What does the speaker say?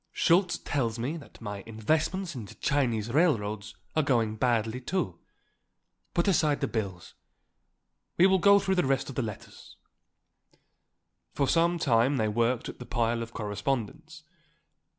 Schultz tells me that my investments in the Chinese railroads are going badly, too. Put aside the bills. We will go through the rest of the letters." For some time they worked at the pile of correspondence.